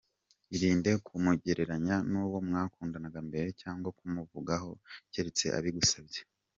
Irinde kumugereranya n’uwo mwakundanaga mbere cyangwa kumuvugaho keretse abigusabye.